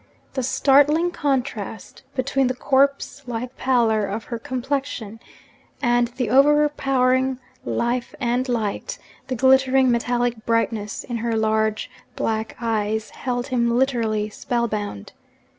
The startling contrast between the corpse like pallor of her complexion and the overpowering life and light, the glittering metallic brightness in her large black eyes, held him literally spell bound.